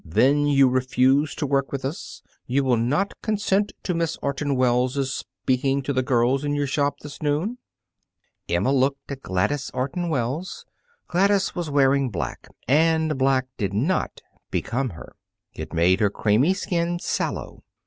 "Then you refuse to work with us? You will not consent to Miss Orton Wells' speaking to the girls in your shop this noon?" Emma looked at Gladys Orton Wells. Gladys was wearing black, and black did not become her. It made her creamy skin sallow.